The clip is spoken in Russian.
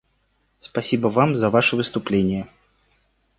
Спасибо Вам за Ваше выступление.